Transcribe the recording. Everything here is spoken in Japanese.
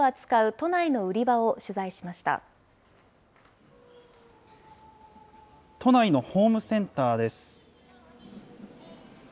都内のホームセンターです。